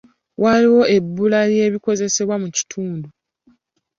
Waliwo ebbula ly'ebikozesebwa mu kitundu.